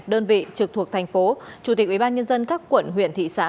đơn vị trực thuộc thành phố chủ tịch ủy ban nhân dân các quận huyện thị xã